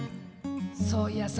そういやさ